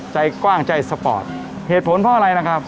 ใจกว้างใจสปอร์ตเหตุผลเพราะอะไรนะครับ